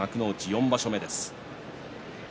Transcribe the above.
４場所目です。